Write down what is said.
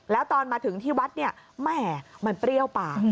แล้วตอนมาถึงที่วัดเนี่ยแหม่มันเปรี้ยวปาก